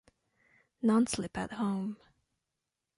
Non-slip at home.